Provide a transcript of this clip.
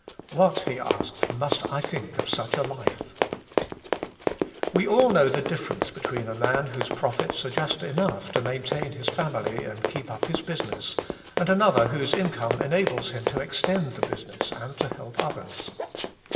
What, he asked, must I think of such a life ? We all know the difference between a man whose profits are just enough to maintain his family and keep up his business, and another whose income en ables him to extend the business and to help others.